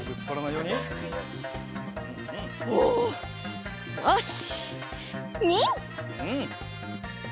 よし。